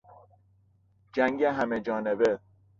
جنگ همهجانبه